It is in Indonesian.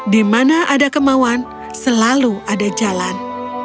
di mana ada kemauan selalu ada jalan